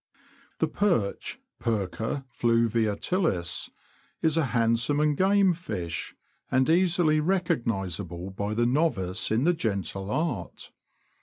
The Perch {Perca fluviatilis) is a handsome and game fish, and easily recognisable by the novice in the gentle art.